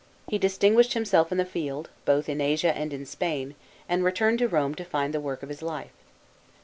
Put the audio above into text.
He distinguished himself in the field, both in Asia and in Spain, and returned to Rome to find the work of his life.